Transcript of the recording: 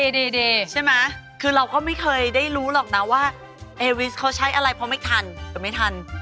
ใช่ไหมคือเราก็ไม่เคยได้รู้หรอกนะว่าเอวิสเขาใช้อะไรเพราะไม่ทันหรือไม่ทัน